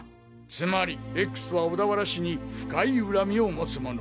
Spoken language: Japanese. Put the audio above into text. つまりＸは小田原氏に深い恨みを持つ者。